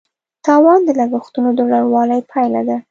تاوان د لګښتونو د لوړوالي پایله ده.